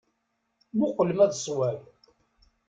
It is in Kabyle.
Muqel ma d ṣṣwab.